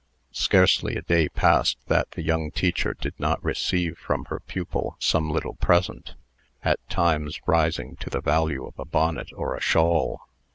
Scarcely a day passed that the young teacher did not receive from her pupil some little present at times rising to the value of a bonnet or a shawl.